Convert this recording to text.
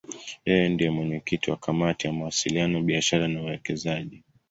Yeye ndiye mwenyekiti wa Kamati ya Mawasiliano, Biashara na Uwekezaji.